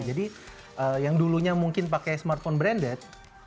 jadi yang dulunya mungkin pakai smartphone branded